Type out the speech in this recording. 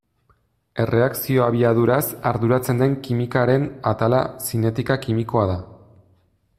Erreakzio-abiaduraz arduratzen den kimikaren atala zinetika kimikoa da.